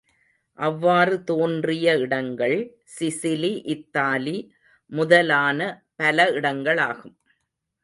அவ்வாறு தோன்றிய இடங்கள் சிசிலி, இத்தாலி முதலான பல இடங்களாகும்.